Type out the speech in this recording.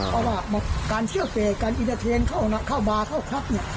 เพราะว่าการเชื่อเฟย์การอินเทรนเข้าบาเข้าคลับเนี่ย